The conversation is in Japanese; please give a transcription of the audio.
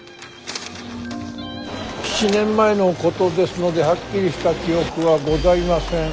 ７年前のことですのではっきりした記憶はございません。